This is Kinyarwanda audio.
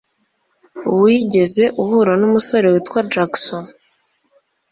Wigeze uhura numusore witwa Jackson?